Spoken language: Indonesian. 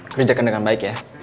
kerjakan dengan baik ya